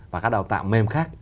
và các đào tạo mềm khác